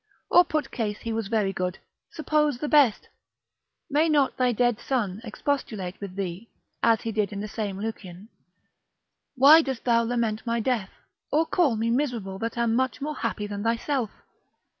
Or put case he was very good, suppose the best, may not thy dead son expostulate with thee, as he did in the same Lucian, why dost thou lament my death, or call me miserable that am much more happy than thyself?